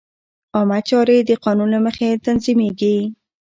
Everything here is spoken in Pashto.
عامه چارې د قانون له مخې تنظیمېږي.